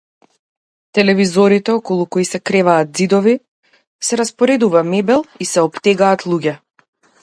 Телевизорите околу кои се креваат ѕидови, се распоредува мебел и се оптегаат луѓе.